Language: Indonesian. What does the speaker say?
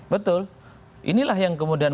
betul inilah yang kemudian